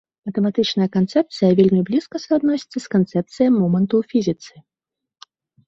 Матэматычная канцэпцыя вельмі блізка суадносіцца з канцэпцыяй моманту ў фізіцы.